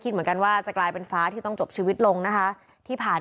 เหมือนกันว่าจะกลายเป็นฟ้าที่ต้องจบชีวิตลงนะคะที่ผ่าน